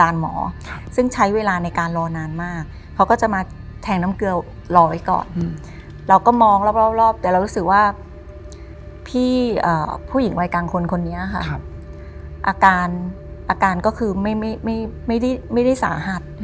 เราก็มองรอบรอบแต่เรารู้สึกว่าพี่ผู้หญิงวัยกังคนคนนี้อาการก็คือไม่ได้สาหัส